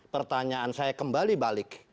pertanyaan saya kembali balik